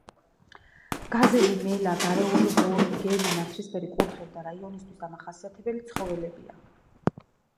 გაზელი, მელა, გარეული ღორი, მგელი, ნაცრისფერი კურდღელი ამ რაიონისთვის დამახასიათებელი ცხოველებია.